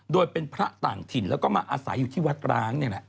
โดยเป็นพระต่างถิ่นแล้วก็มาอาศัยอยู่ที่วัดร้างนี่แหละ